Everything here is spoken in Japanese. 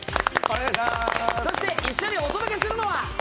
そして一緒にお届けするのは。